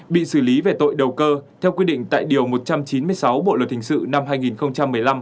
bị xử lý về tội đầu cơ theo quy định tại điều một trăm chín mươi sáu bộ luật hình sự năm hai nghìn một mươi năm